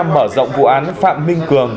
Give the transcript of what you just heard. mở rộng vụ án phạm minh cường